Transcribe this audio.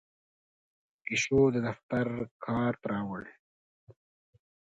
پیشو د دفتر کارت راوړ.